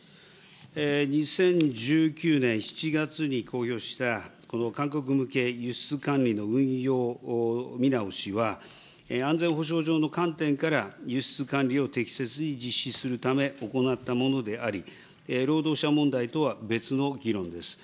２０１９年７月に公表したこの韓国向け輸出管理の運用見直しは、安全保障上の観点から輸出管理を適切に実施するため行ったものであり、労働者問題とは別の議論です。